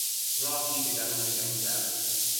راهی به درون جنگل